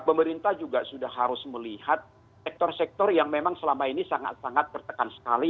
pemerintah juga sudah harus melihat sektor sektor yang memang selama ini sangat sangat tertekan sekali